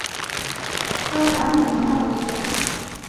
Coaryamye mu ntara ya Australiya